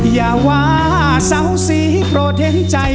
อย่าว่าเสาสีโปรดเห็นใจ